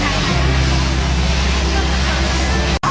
สุดท้ายสุดท้ายสุดท้าย